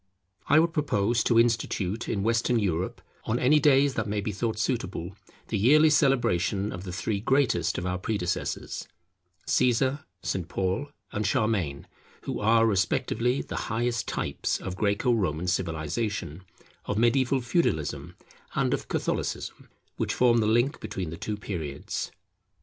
I would propose to institute in Western Europe on any days that may be thought suitable, the yearly celebration of the three greatest of our predecessors, Caesar, St. Paul and Charlemagne, who are respectively the highest types of Greco Roman civilization, of Mediaeval Feudalism, and of Catholicism, which forms the link between the two periods.